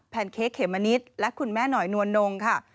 เค้กเขมมะนิดและคุณแม่หน่อยนวลนงค่ะ